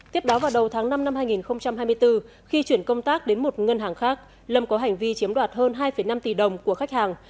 tiếp đó vào đầu tháng năm năm hai nghìn hai mươi bốn khi chuyển công tác đến một ngân hàng khác lâm có hành vi chiếm đoạt hơn hai năm tỷ đồng của khách hàng